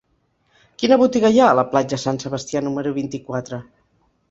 Quina botiga hi ha a la platja Sant Sebastià número vint-i-quatre?